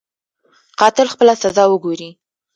قاتل خپله سزا وګوري.